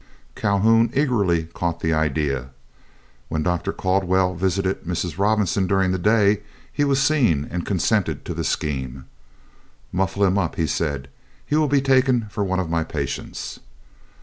Calhoun eagerly caught at the idea. When Dr. Caldwell visited Mrs. Robinson during the day, he was seen, and consented to the scheme. "Muffle him up," he said, "he will be taken for one of my patients."